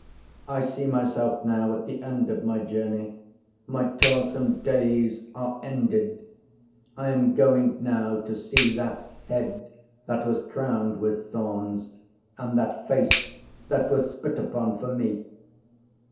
I see myself now at the end of my journey; my toilsome days are ended. I am going now to see that Head that was crowned with thorns, and that Face that was spit upon for me.